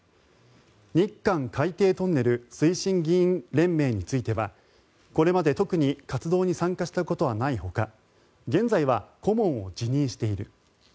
日韓海底トンネル推進議員連盟についてはこれまで特に活動に参加したことはないほか現在は顧問を辞任している。